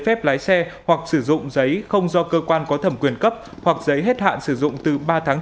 phép lái xe hoặc sử dụng giấy không do cơ quan có thẩm quyền cấp hoặc giấy hết hạn sử dụng từ ba tháng